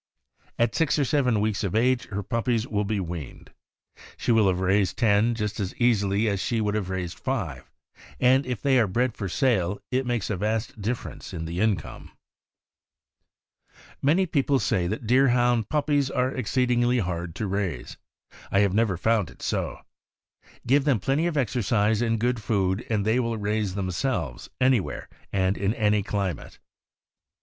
At six or seven weeks of age her puppies will be weaned. She will have raised ten just as easily as she would have raised five, and if they are bred for sale it makes a vast dif ference in the income. Many people say that Deerhound puppies are exceed ingly hard to raise. I have never found it so. Give them plenty of exercise and good food and they will raise them selves, anywhere and in any climate.